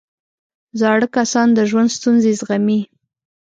زاړه کسان د ژوند ستونزې زغمي